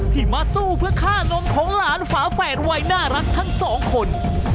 ที่มาสู้เพื่อฆ่านมของหลานแฝวแฝนวัยน่ารักทั้ง๒คน